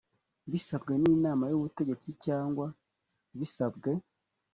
bisabwe n inamay ubutegetsi cyangwa bisabwe